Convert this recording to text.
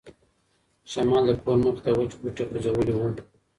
شمال د کور مخې ته وچ بوټي خوځولي وو.